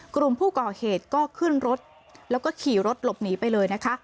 กลุ่มผู้ก่อเหตุก็ขึ้นรถแล้วก็ขี่รถหลบหนีไปเลยนะคะ